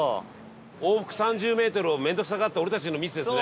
往復３０ｍを面倒くさがった俺たちのミスですね。